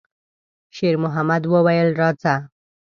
شېرمحمد وویل: «راځه!»